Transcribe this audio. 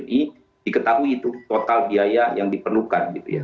kita ketahui itu total biaya yang diperlukan gitu ya